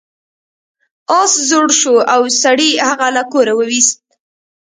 اس زوړ شو او سړي هغه له کوره وویست.